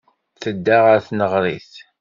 Tedda ɣer tneɣrit.